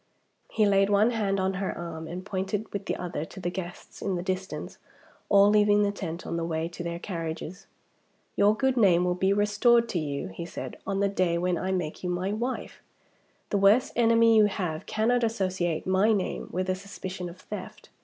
He laid one hand on her arm, and pointed with the other to the guests in the distance, all leaving the tent on the way to their carriages. "Your good name will be restored to you," he said, "on the day when I make you my wife. The worst enemy you have cannot associate my name with a suspicion of theft.